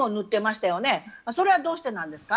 それはどうしてなんですか？